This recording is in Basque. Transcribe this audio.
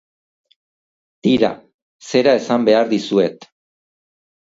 Tira, zera esan behar dizuet...